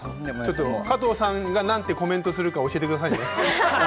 加藤さんがなんてコメントするか教えてください。